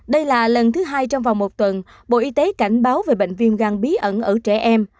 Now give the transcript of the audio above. đây là lần thứ hai trong vòng một tuần bộ y tế cảnh báo về bệnh viêm gan bí ẩn ở trẻ em